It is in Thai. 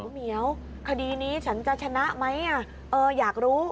เหมียวคดีนี้ฉันจะชนะไหมอยากรู้